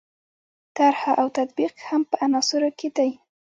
طرح او تطبیق هم په عناصرو کې دي.